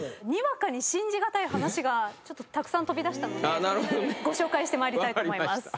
にわかに信じ難い話がたくさん飛び出したのでご紹介してまいりたいと思います。